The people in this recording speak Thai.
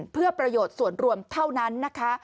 เพื่อประโยชน์ส่วนรวมเท่านั้นนะคะ